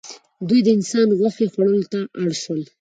دوی د انسان غوښې خوړلو ته اړ شول.